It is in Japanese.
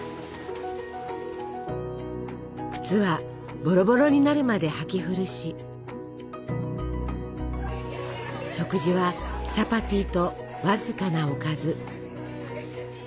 靴はボロボロになるまで履き古し食事はチャパティと僅かなおかず。